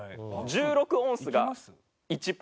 １６オンスが１ポンド。